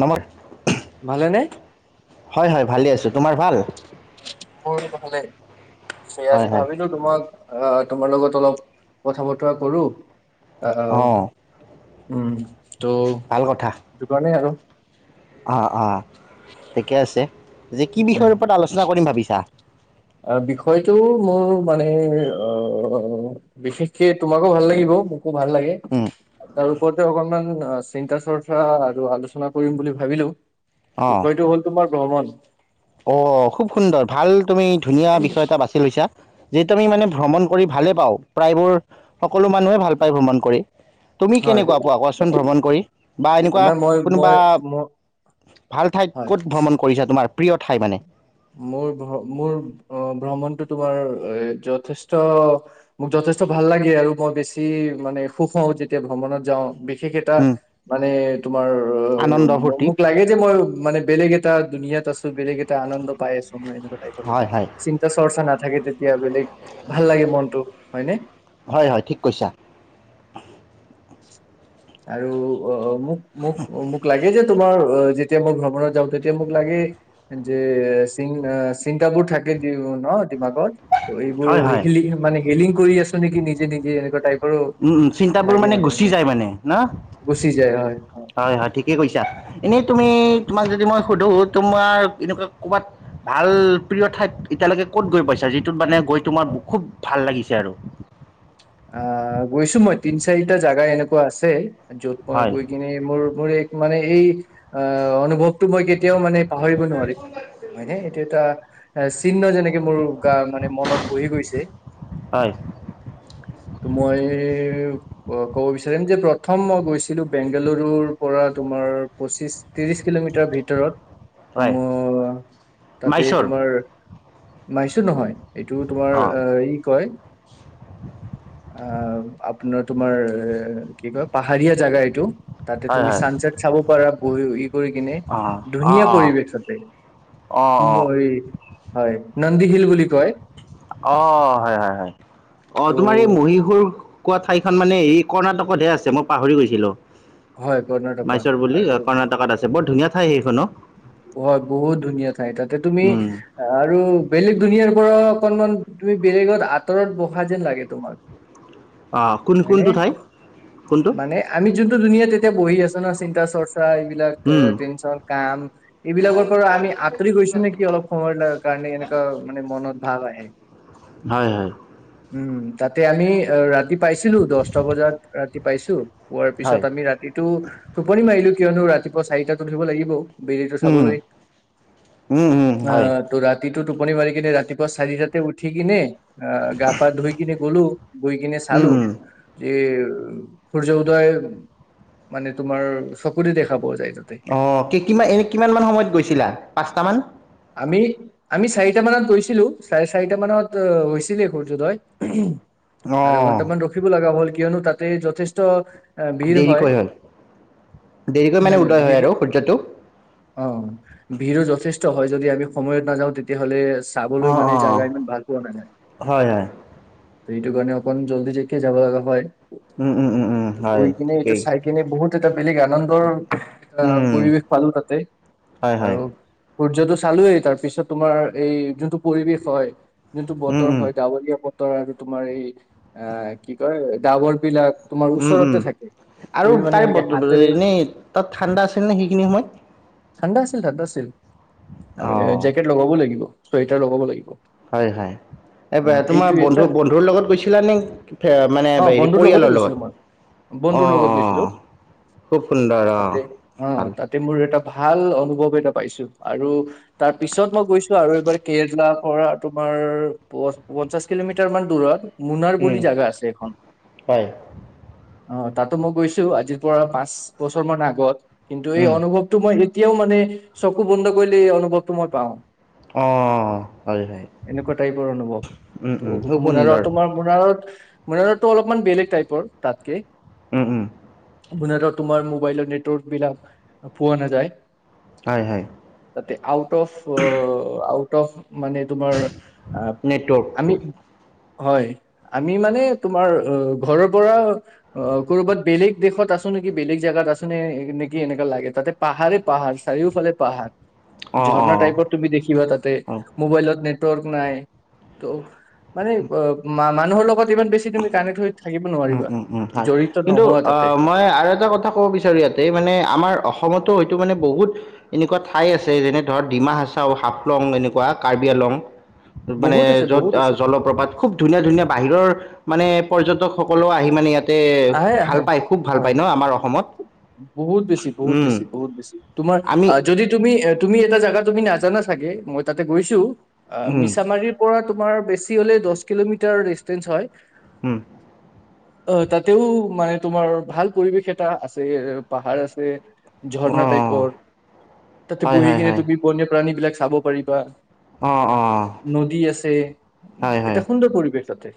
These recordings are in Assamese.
নহয়। ভালেনে? হয় হয় ভালে আছোঁ, তোমাৰ ভাল? স হয় আজি হয় ভাবিলো তোমাক অ তোমাৰ লগত অলপ, কথা বতৰা কৰো। আহ। অঁ উম। ত দোকানে আৰু অ অ, ঠিকে আছে। যে কি বিষয়ৰ উম, ওপৰত আলোচনা কৰিম ভাবিছা বিষয়টো মোৰ মানে, অ বিশেষকে তোমাকো ভাল লাগিব। খুব ভাল লাগে, উম, তাৰ ওপৰতে অকনমান চিন্তা চৰ্চা আৰু আলোচনা কৰিম বুলি ভাবিলো। বিষয়টো হ'ল তোমাৰ ভমণ। অ, খুব সুন্দৰ ভাল। তুমি ধুনীয়া বিষয় এটা বাছি লৈছা। যিহেতু আমি মানে ভ্ৰমণ কৰি ভালে পাওঁ, প্ৰায়বোৰ সকলো মানুহে ভাল পায় ভ্ৰমণ কৰি। তুমি হয় কেনেকুৱা পোৱা কোৱা চোন ভ্ৰমণ। কৰি। বা এনেকুৱা নাই মই কোনোবা মই ম ভাল ঠাইত হয় ক'ত ভ্ৰমণ কৰিছা তোমাৰ। প্ৰিয় ঠাই মানে। মোৰ মোৰ, অ ভ্ৰমণটো তোমাৰ এ যথেষ্ট মোক যথেষ্ট ভাল লাগে আৰু মই বেছি মানে সুখ হওঁ যেতিয়া ভ্ৰমণত যাওঁ। সেই কেইটা উম, মানে। তোমাৰ অ আনন্দ ফূৰ্তি মোক লাগে যে মই। মানে বেলেগ এটাুনীয়াাত আছো বেলেগ এটা আনন্দ। পাই আছো মই এনেকুৱ টাইৰ লাগে হয় হয় চিন্তা চৰ্চা না। থাকে তেতিয়া বেলেগ ভাল লাগে মনতটো হয় ন। হয় হয় ঠিক কৈছা। আৰু অ। মোক মোক মোক, লাগে যে তোমাৰ। যেতিয়া মই ভ্ৰমণত যাওঁ তেতিয়া মোক লাগে যে চি চিন্তাবোৰ থাকে দি ন। মনত, ত এইবোৰ হয় হয় হিলি মানে হেলিং কৰি আছো নেকি নি। নিজে এনেকুৱা টাইপ। উম চিন্তাবোৰ মানে গু। যায় মানে না। গুচি যায় হয় হয় হয় ঠিকে কৈছা এনেই। তুমি তোমাক যদি মই সুধো তোমাৰ এনেকুৱা ক'ৰবাত ভাল প্ৰিয় ঠাইত এতিয়ালৈকে ক'ত গৈ পাইছা, যিটোত মানে গৈ তোমাৰ খুব ভাল লাগিছে আৰু। আহ, গৈছো মই তিন চাৰিটা জোগা এনেকুৱা আছে। য'ত মই হয় গৈ কিনে মোৰ মোৰ। মানে এই অ, অনুভৱটো মই কেতি। এতিয়াও মানে পাহৰিব নোৱাৰিম, হয়নে এইটো এটা চিহ্ন যেনেকে মোৰ গা মানে মনত বহি গৈছে। হয় ত, মই ক'ব বিচাৰিম যে প্ৰথম মই গৈছিলো বেংগালুৰুৰ পৰা তোমাৰ পঁচিশ। ত্ৰিশ কিলোমিটাৰ ভিতৰত হয় ম তাতে মাইচৰ তোমাৰ। নহয় [inaudible] এইটো তোমাৰ অঁ ই কয়। আহ আপোনাৰ তোমাৰ এ কি কয় পাহাৰীয়া জেগা এইটো। তাতে, হয় তুমি হয় চানঞ্চাত চাব পাৰা। ঐ কৰি কিনে অঁ অঁ ধুনীয়া অঁ পৰিৱেশতে মই হয় নন্দী হিল বুলি কয় অ হয় হয় হয় অ ত' তোমাৰ এই মহীশুৰ কোৱা ঠাইখন মানে এই কৰ্ণাটকতহে আছে মই পাহৰি গৈছিলো। হয় কৰ্ণাটকা মাইচৰ বুলি আৰু কৰ্ণাটকত আছে ব। ধুনীয়াঠাই সেইখনত। হয় বহুত ধুনীয়া নাই তাতে তুমি উম আৰু বেলেগ দুনিয়াৰ পৰ অকনমান তুমি বেলেগত আঁতৰত বহা যেন লাগে তোমাক। অঁ কোন হয়নে কোনটো ঠাই কোনটো মানে আমি যোনটো দুুনীয়াত এতিয়া বহি আছো ন চিন্তা। চৰ্চা এইবিলাক উম, টেনচন কাম এইবিলাকৰ পৰা আমি আঁতৰি গৈছো নেকি অলপ সময় কাৰণে এনেকুৱা মানে মন।। ভাৱ আহে হয় হয় উম তাতে আমি ৰাতি পাইছিলো দহটা বজাত ৰাতি পাইছো। পোৱাৰ পিছত হয়, আমি ৰাতিটো টোপনি মাৰিলো। কিয়নো ৰাতিপুৱা চাৰিটাত উঠিব লাগি বেলিতো উম, চাবলৈ উম, উম, হয়, আহ তো ৰাতি। টো টোপনি মাৰি কিনে ৰাতিপুৱা চাৰিটাতে উঠি কিনে।। অ গা পা ধুই কিনে গলো গৈ কিনে উম, চালো উম। যে সূৰ্য উদয় মানে তোমাৰ চকুৰে দেখা পোৱা যায় তাতে অ কি কি এনে কিমান মান সময়ত গৈছিলা পাঁচটা মান আমি আমি চাৰিটা মানত গৈছিলো চাৰে চাৰিটা মানত হৈছিলে সূৰ্যোদয়।। আধা অ' ঘণ্টা মান ৰখিব লগা হল কিয়নো তাতে যথেষ্ট ভিৰ হয় দেৰিকৈ হ'ল দেৰিকৈ নাই মানে নাই উদয় ভিৰ হয় আৰু সূৰ্যটো অ ভিৰো যথেষ্ট হয় যদি আমি সময়ত নাযাওঁ তেতিয়াহ'লে চাবলৈ অ', মানে অ', জাগা ইমান ভাল পোৱা নাই নাই হয়, হয়, ত এইটো কাৰণে অকল জল্দি যেখে যাব লগা হয় উম উম উম উম হয়, গৈ কিনে এইটো ঠিকেই চাই কিনে বহুত এটা বেলেগ আনন্দৰ, আহ উম, পৰিৱেশ পালো তাতে, হয়, বাৰ হয়, সূৰ্যটো চালোয়েই তাৰ পিছত তোমাৰ এই যোনটো পৰিৱেশ হয় যোনটো উম, বতৰ উম, হয়, ডাৱৰীয়া বত আৰু তোমাৰ এই, আ কি কয় ডাবৰ বিলাক তোমাৰ উম ওচৰতে উম, থাকে আৰু তুমি মানে তাৰে এনেকে ব হাতেৰে এনেই তাত ঠাণ্ডা আছিল নে সেইখিনি সময়ত। ঠাণ্ডা আছিল, ঠাণ্ডা আছিল। আমি অ' জেকেট লগাবও লাগিব। চুৱেটাৰ লগাব লাগিব। হয় হয়, এই অ তোমাৰ এইটো এটা বন্ধু বন্ধুৰ লগত গৈছিলানে, মানে অ হেৰি বন্ধুৰ লগতে পৰিয়ালৰ গৈছিলো লগত, মই অ বন্ধুৰ লগত অ গৈছিলো খুব সুন্দৰ, অ তাতে অ ভাল। তাতে মোৰ এটা ভাল অনুভৱ এটা পাইছো। আৰু তাৰ পিছত মই গৈছো আৰু এইবাৰ কেৰেলাৰ পৰা তোমাৰ প পঞ্চাশ কিলোমিটাৰ মান দূৰত। মুনাৰ বুলি উম, জাগা আছে এখন। হয়। অ তাতো মই গৈছো আজিৰ পৰা পাঁচ বছৰ মান আগত। কিন্তু এই উম, অনুভৱটো মই এতিয়াও মানে চ কু বন্ধ কৰিলে এই অনুভৱটো মই পাওঁ। অ', হয়, হয়, এনেকুৱা টাইপৰ অনুভৱ, উম, উম, ত' খুব মোনাৰত সুন্দৰ। তোমাৰ মোনাৰত মোনাৰটো অলপমান বেলেগ টাইপৰ, তাতকে। উম উম। মুনাৰত তোমাৰ মোবাইলৰ নেটৱৰ্ক বিলাক পোৱা নাযায়। হয় হয়। তাতে আ ফ [inaudible] টফ মানে তোমাৰ, আহ আমি নেটৱৰ্কটো হয়, আমি মানে তোমাৰ অ ঘৰৰ পৰা অ ক'ৰবাত বেলেগ দেশত আছো নেকি বেলেগ জেগাত আছো নে নেকি এনেকা লাগে তাতে পাহাৰে পাহাৰ চাৰিওফালে পাহাৰ। অ', ঝৰ্ণা অ'। টাইপৰ তুমি দেখিবা তাতে, অ', উম, মোবাইলত নেট নেটৱৰ্ক নাই ত মানে অ উম মানুহৰ লগত ইমান বেছি তুমি কানেক্ট হৈ থাকিব উম নোৱাৰিবা উম উম হয়, জড়িত কিন্তু নোহোৱা তাতে আহ মই আৰু এটা কথা ক'ব বিচাৰো ইয়াতে মানে আমাৰ অসমতো টো মানে বহুত এনেকুৱা ঠাই আছে যেনে ধৰক ডিমা হাচাও, হাফলং এনেকুৱা, কাৰ্বি আংলং মানে বহুত আছে য'ত বহুত আহ আছে জলপ্ৰপাত খুব ধুনীয়া ধুনীয়া বাহিৰৰ মানে পৰ্যটকসকলো আহি মানে ইয়াত আহে আহে হয় অসমত বহুত বেছি বহুত উম, বেছি বহুত বেছি তোমাৰ আমি যদি তুমি, তুমি এটা জাগা তুমি নাজানা চাগে মই তাতে গৈছোঁ। অ উম, মিছামাৰীৰ পৰা, তোমাৰ বেছি হ'লে দছ কিলোমিটাৰ ডিচটেনচ হয় হম। অ তাত। তেও মানে তোমাৰ ভাল পৰিৱেশ এটা আছে পাহাৰ আছে। ঝৰ্ণা অঁ টাইপৰ তাতে হয় বহি হয় কিনে হয় তুমি বন্য প্ৰাণী বিলাক চাব পাৰিবা। অঁ অঁ নদী আছে, এটা সুন্দৰ পৰিৱেশ তাতে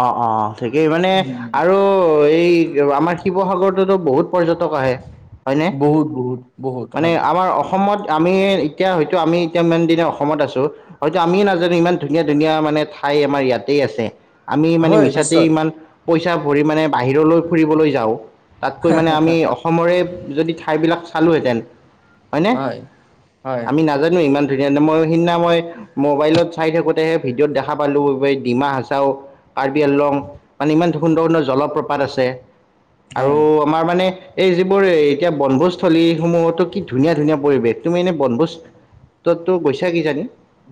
অ অ ঠিকেই মানে উম, আৰু। এই আমাৰ শিৱসাগৰততো বহুত পৰ্যটক আহে। হয়নে বহুত বহুত বহুত মানে হয় আমাৰ অসমত, আমি এতিয়া হয়তো আমি এতিয়া ইমান দিনে অসমত আছো হয়তো আমি নাজানো ইমান ধুনীয়া ধুনীয়া মানে ঠাই আমাৰ ইয়াতে আছে। আমি মানে হয় মিছাতেই নিশ্চয় ইমান পইচা ভৰি মানে বাহিৰলৈ ফুৰিবলৈ যাওঁ। তাতকৈ মানে আমি অসমৰে যদি ঠাই বিলাক, খালোঁহেতেন হয়নে হয় হয় আমি নাজানো ইমান। মই সিদিনা মই মোবাইলত চাই থাকোতেহে ভিডিঅ'ত দেখা পালো ডিমা হাচাও কাৰ্বি আংলং মানে ইমান সুন্দৰ সুন্দৰ জলপ্ৰপাত আছে। আৰু হয় আমাৰ মানে, এই যিবোৰ এতিয়া বনভোজস্থলীসমূহতো কি ধুনীয়া ধুনীয়া পৰিৱেশ তুমি এনেই বনভোজততো গৈছা কিজানি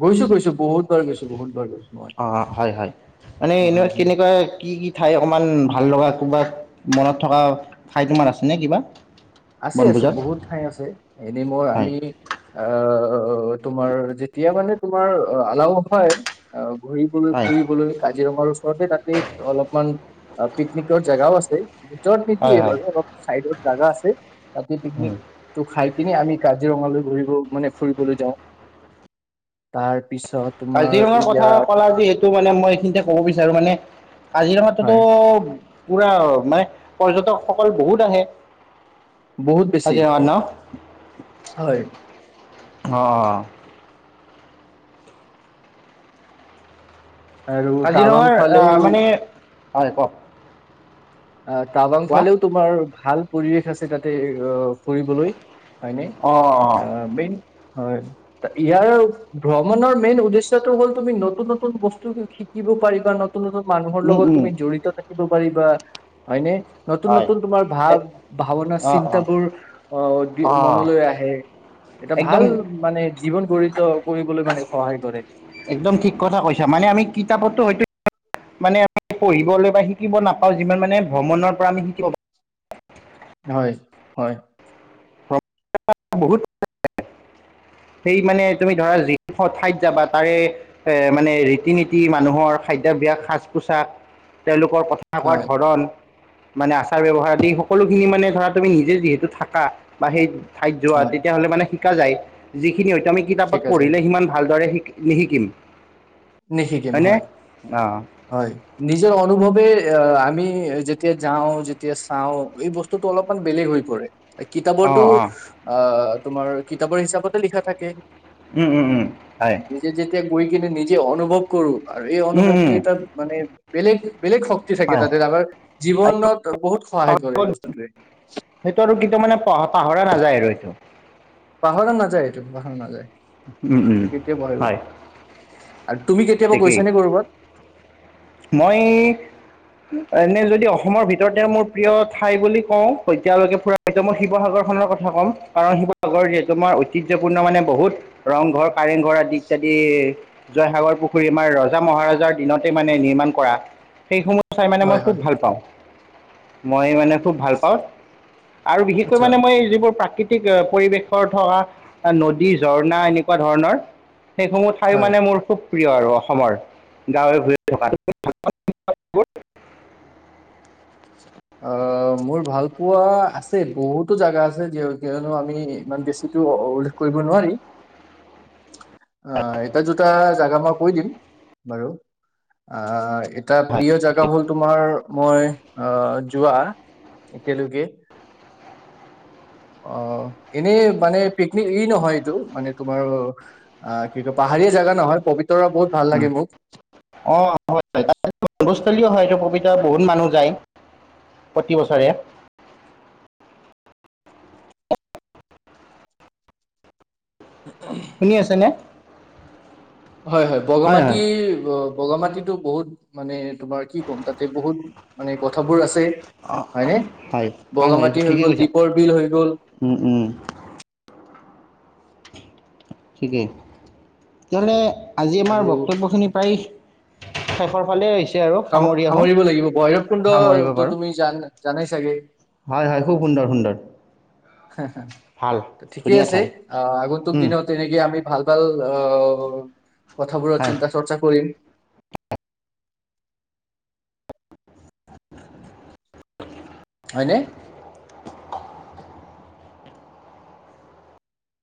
গৈছো গৈছো বহুত বাৰ গৈছো বহুত বাৰ গৈছো মই। অ হয় হয় মানে অ ইউনিভাৰ্চিট এনেকুৱা [unintelligible] কি কি ঠাই অকমান ভাল লগা ক'ৰবাত মনত থকা ঠাই তোমাৰ আছেনে কিবা? আছে আছে বনভোজত বহুত ঠাই আছে এনে মই আমি হয় আহ তোমাৰ যেতিয়া মানে তোমাৰ আলাও হয়। ঘুৰিবলৈ হয় ফুৰিবলৈ কাজিৰঙাৰ ৰতে তাতে অলপমান পিকনিকৰ জেগাও আছে। ভিতৰত হয় নিদিয়ে হয় বাৰু অলপ চাইডত জাগা আছে। তাতে পিকনিক টো খাই আমি কাজিৰঙালৈ ঘূৰিব, মানে ফুৰিবলৈ যাওঁ। তাৰ পিছত তোমাৰ কাজিৰঙাৰ কথা ইয়াত ক'লা যিহেতু, মানে মই এইখিনিতে কব বিচাৰোঁ মানে হয় কাজিৰঙাতটো পুৰা, মানে, পৰ্যটকসকল বহুত আহে। বহুত বেছি, কাজিৰঙাত ন হয়। অ'! আৰু টাৱাং কাজিৰঙাৰ অ'হ ফালেও মানে হয়, কওক। ‌ অ' টাৱাং ফালেও তোমাৰ ভাল পৰিৱেশ আছে, তাতে, অ'হ ফুৰিবলৈ। হয় নে? অঁ মেইন হয়! ইয়াৰ ভ্ৰমণৰ মেইন উদ্দেশ্যয়টো হ'ল, তুমি নতুন নতুন বস্তু শিকিব পাৰিবা। নতুন নতন, নতুন মানুহৰ উম, লগত উম, তুমি জড়িত থাকিব ব পাৰিবা। হয়নে? নতুন, হয় নতুন তোমাৰ ভাৱ, এ- ভাৱনা অঁ চিন্তা অঁ বোৰ, অ'হ দি, অঁ মনলৈ আহে। এটা একদম ভাল মানে জীৱন গঢ়িত কৰিবলৈ মানে সহায় কৰে। একদম ঠিক কথা কৈছা। মানে আমি কিতাপতো হয়তো, মানে পঢ়িবলৈ বা শিকিব নাপাওঁ, যিমান মানে ভ্ৰমণৰ পৰা আমি শিকিব পাওঁ। হয়! হয়! [unintelligible] বহুত [unintelligible] সেই মানে তুমি ধৰা, যি ডোখৰ ঠাইত যাবা, তাৰে এ মানে, ৰীতি নীতি মানুহৰ খাদ্যাভাস, সাজ পোছাক, তেওঁলোক ৰ কথা কোৱাৰ হয় ধৰণ মানে আচাৰ ব্যৱহাৰ আদি, সকলোখিনি মানে, ধৰা, তুমি নিজে যিহেতু থাকা, বা সেই ঠাইত যোৱা, হয় তেতিয়াহ'লে মানে [unintelligible] যায় খিনি হয়তো আমি কিতাপত ঠিক আছে পঢ়িলে, সিমান ভালদৰে শিকোঁ। নিশিকিম। নিশিকিম, হয়নে হয়! অঁ হয়! নিজৰ অনুভৱে এ আমি যেতিয়া যাওঁ, যেতিয়া চাওঁ। এই বস্তুতটো অলপমান বেলেগ হৈ পৰে। কিতাপৰতো, অঁ অঁ অ' তোমাৰ কিতাপৰ হিচাপতে লিখা থাকে। উম! উম! উম! হয়। কৈ কিনে নিজে অনুভৱ কৰোঁ। আৰু এই উম অনুভৱটো, উম এটাত মানে বেলেগ বেলেগ শক্তি থাকে হয় তাতে আ জীৱনত বহুত সহায় কৰে এই বস্তুটোৱে। সেইটো আৰু কিন্তু মানে পাহৰা নাযায় আৰু এইটো। পাহৰা নাযায় এইটো পাহৰা নাযায়। উম উম এইটো কেতিয়াও ভয়ো হয় নোৱাৰী আৰু তুমি কেতি কেতিয়াবা ঠিকেই গৈছে নে গৌৰবত মই, এনে যদি অসমৰ ভিতৰতে মোৰ প্ৰিয় ঠাই বুলি কওঁ, তেতিয়ালৈকে ফুৰা এতিয়া মই শিৱসাগৰ খনৰ কথা কম, কাৰণ শিৱসাগৰ যিহেতু আমাৰ ঐতিহ্যপূৰ্ণ মানে বহুত ৰংঘৰ, কাৰেংঘৰ আদি ইত্যাদি জয়সাগৰ পুখুৰী আমাৰ ৰজা মহাৰজাৰ দিনতে মানে নিৰ্মাণ কৰা সেইসমূহ চাই মানে মই হয় খুব হয়, ভাল পাওঁ। মই মানে খুব ভাল পাওঁ। আৰু বিশেষকৈ আচ্ছা মানে মই যিবোৰ প্ৰাকৃতিক পৰিৱেশৰ থকা নদী, ঝৰ্ণা এনেকুৱা ধৰণৰ সেইসমূহ ঠাই হয়। মানে মোৰ খুব প্ৰিয় আৰু অসমৰ, গাঁৱে ভূৱে [unintelligible] ু [unintelligible] অহ, মোৰ ভাল পোৱা আছে বহুতো জেগা আছে কিয়নো আমি ইমান বেছিতো উল্লেখ কৰিব নোৱাৰি। অ এটা দুটা জাগা মই কৈ দিম বাৰু, আ এটা হয় প্ৰিয় জেগা হ'ল ঠিকেই তোমাৰ মই, অহ যোৱা এতিয়ালৈকে, অহ এনে মানে পিকনিক ই নহয় এইটো মানে তোমাৰ অহ কি কয় পাহাৰীয়া জেগা নহয়, পবিতৰা বহুত ভাল লাগে মোক। অ হয় ভস্থলী হয় এইটো কবিতা বহুত মানুহ যায়, প্ৰতি বছৰে। উ [inaudible] শুনি আছেনে? হয় হয় বগামাটিৰ বগা মাটিতো বহুত মানে তোমাৰ কি ক'ম, তাতে বহুত মানে কথাবোৰ আছে। হয়নে, হয় হয় হয় বগামাটি হৈ ঠিকেই গ'ল কৈছা দীপৰ বিল হৈ গ'ল। উম উম ঠিকেই, তেওঁলে। আজি আমাৰ আৰু বক্তব্যখিনি প্ৰায় চহৰ ফালে হৈছ সামৰিব লাগিব বৈৰৱ সামৰিব কুণ্ডটো পাৰোঁ তুমি জান জানাই চাগে? হয় হয় খুব সুন্দৰ সুন্দৰ হা হা ভাল হা, ঠিকে ধুনীয়া আছে, ঠাই আহ আগন্তুক দিনত এনেকে আমি ভাল ভাল অ কথাবোৰ হয় চিন্তা চৰ্চা কৰিম। হয়নে?